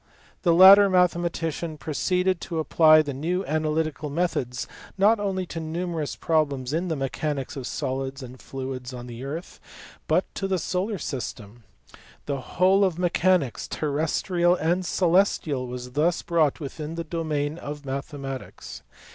The latter mathematician proceeded to apply the new analytical methods not only to numerous problems in the mechanics of solids and fluids on the earth but to the solar system: the whole of mechanics terrestrial and celestial was thus brought within the domain of mathematics.